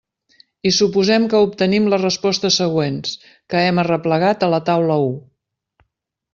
I suposem que obtenim les respostes següents, que hem arreplegat a la taula u.